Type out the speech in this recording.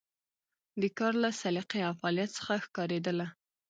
د کار له سلیقې او فعالیت څخه ښکارېدله.